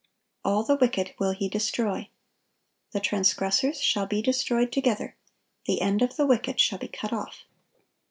(950) "All the wicked will He destroy." "The transgressors shall be destroyed together: the end of the wicked shall be cut off."